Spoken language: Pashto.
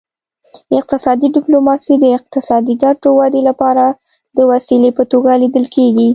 اقتصادي ډیپلوماسي د اقتصادي ګټو ودې لپاره د وسیلې په توګه لیدل کیږي